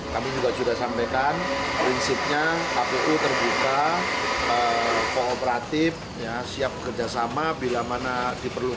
kami juga sudah sampaikan prinsipnya kpu terbuka kooperatif siap bekerjasama bila mana diperlukan